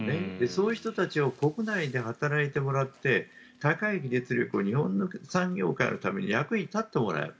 そういう人たちに国内で働いてもらって高い技術力を日本の産業界のために役に立ってもらう。